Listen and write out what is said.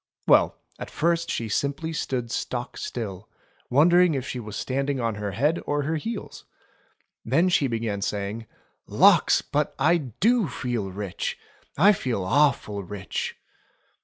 Well, at first she simply stood stock still, wondering if she was standing on her head or her heels. Then she began saying : "Lawks ! But I do feel rich. I feel awful rich